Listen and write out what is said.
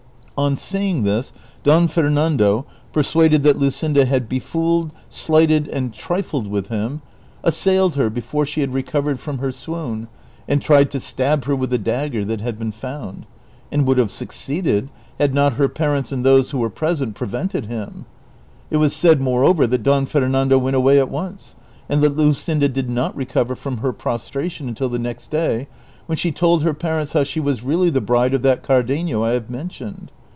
On seeing this, Don Fer nando, persuaded that Luscinda had befooled, slighted, and trifled LUSCINDA FAINTING. Vol.1. Page 234. CHAPTER XXV II I. 235 with him, assailed her before she liad recovered from her swoon, and tried to stab her with the dagger tliat had been found, and would have succeeded had not her parents and those who were present prevented him. It was said, moreover, that Don Fernando went away at once, and that Luscinda did not recover from her prostration until the next day, when she told her parents how she was really the bride of that Cardenio I have mentioned.